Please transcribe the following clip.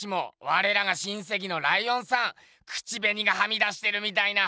われらが親せきのライオンさん口べにがはみ出してるみたいな。